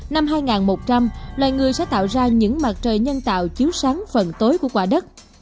năm hai nghìn một trăm linh loài người sẽ tạo ra những mặt trời nhân tạo chiếu sáng phần tối của quả đất